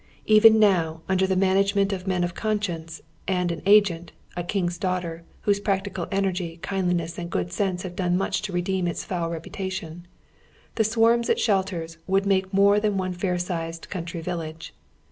Even now, under the management of men of conscience, and an agent, a King's Daughter, whose practical energy, kindliness and good sense have done much to redeem its foul reputation, the swarms it sheltei's would make more than one fair sized country village.